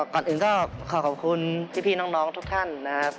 ก่อนอื่นก็ขอขอบคุณพี่น้องทุกท่านนะครับ